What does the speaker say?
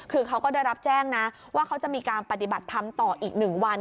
คือเขาก็ได้รับแจ้งนะว่าเขาจะมีการปฏิบัติธรรมต่ออีก๑วัน